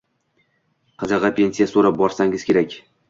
Qizigʻi, pensiya soʻrab borsangiz kerak